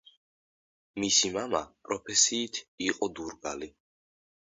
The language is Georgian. მისი მამა პროფესიით იყო დურგალი.